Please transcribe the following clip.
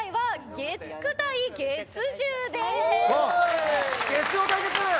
月曜対決。